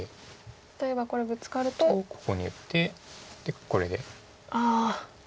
例えばこれブツカると。とここに打ってこれで危ない。